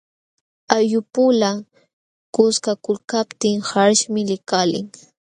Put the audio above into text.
Ayllupula kuskakulkaptin qarqaśhmi likalin.